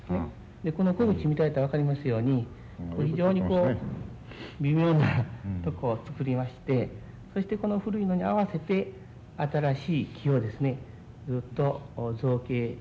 でこの木口見られたら分かりますように非常にこう微妙なとこを作りましてそしてこの古いのに合わせて新しい木をですねずっと造形してですね